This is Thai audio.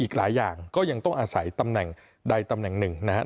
อีกหลายอย่างก็ยังต้องอาศัยตำแหน่งใดตำแหน่งหนึ่งนะครับ